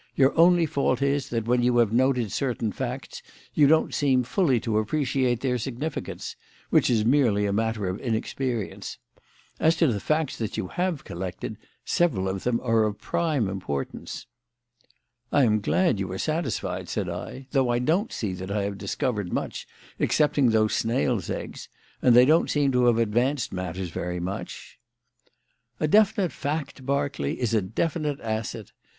Your only fault is that when you have noted certain facts you don't seem fully to appreciate their significance which is merely a matter of inexperience. As to the facts that you have collected, several of them are of prime importance." "I am glad you are satisfied," said I, "though I don't see that I have discovered much excepting those snails' eggs; and they don't seem to have advanced matters very much." "A definite fact, Berkeley, is a definite asset.